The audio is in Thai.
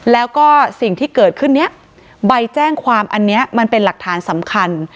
แล้วก็สิ่งที่เกิดขึ้นเนี่ยใบแจ้งความอันนี้มันเป็นหลักฐานสำคัญ